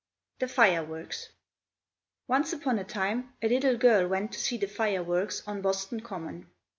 THE FIREWORKS. ONCE upon a time a little girl went to see the fireworks on Boston Common.